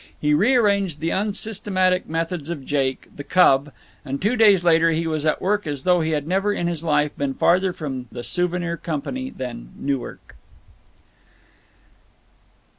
He rearranged the unsystematic methods of Jake, the cub, and two days later he was at work as though he had never in his life been farther from the Souvenir Company than Newark.